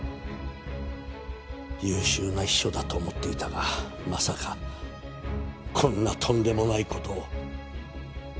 優秀な秘書だと思っていたがまさかこんなとんでもない事を。